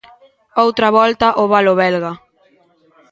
Outra volta o valo belga.